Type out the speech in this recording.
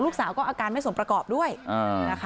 ลูกสาวก็อาการไม่สมประกอบด้วยนะคะ